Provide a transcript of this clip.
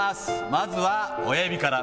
まずは親指から。